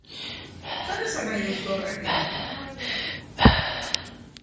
Zer esan nahi duzu horrekin?